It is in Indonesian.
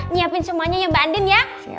nyiapin semuanya ya mbak andin ya